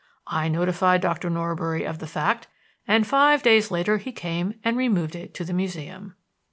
I notified Doctor Norbury of the fact, and five days later he came and removed it to the Museum.